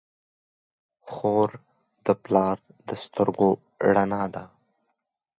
خور د پلار د سترګو رڼا ده.